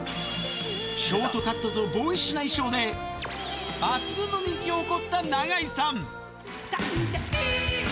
ショートカットとボーイッシュな衣装で抜群の人気を誇った永井さん。